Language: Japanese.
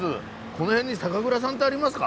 この辺に酒蔵さんってありますか？